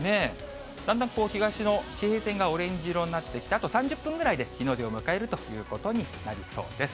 だんだん東の地平線がオレンジ色になってきて、あと３０分ぐらいで日の出を迎えるということになりそうです。